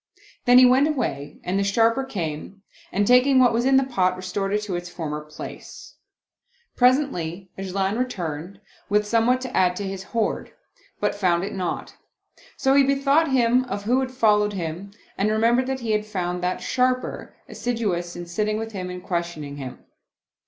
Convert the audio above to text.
Then he went away and the Sharper came and taking what was in the pot, restored it to its former place. Pres ently 'Ajlan returned, with somewhat to add to his hoard, but found it not ; so he bethought him of who had followed him and remembered that he had found that Sharper assidu ous in sitting with him and questioning him.